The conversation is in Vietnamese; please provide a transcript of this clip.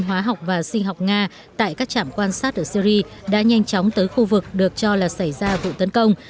hóa học và sinh học nga tại các trạm quan sát ở syri đã nhanh chóng tới khu vực được cho là xảy ra vụ tấn công